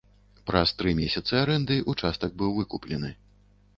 Праз тры месяцы арэнды ўчастак быў выкуплены.